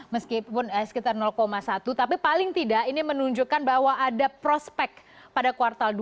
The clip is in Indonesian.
meskipun sekitar satu tapi paling tidak ini menunjukkan bahwa ada prospek pada kuartal dua